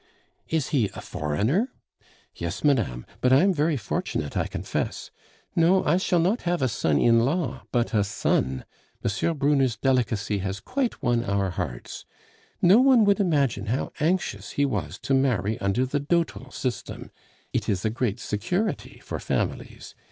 "Is he a foreigner?" "Yes, madame; but I am very fortunate, I confess. No, I shall not have a son in law, but a son. M. Brunner's delicacy has quite won our hearts. No one would imagine how anxious he was to marry under the dotal system. It is a great security for families.